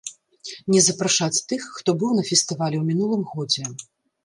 Не запрашаць тых, хто быў на фестывалі ў мінулым годзе.